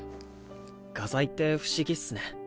画材って不思議っすね。